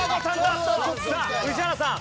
さあ宇治原さん。